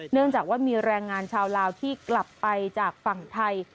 เนื่องจากว่ามีแรงงานชาวลาวที่กลับไปจากฝั่งไทย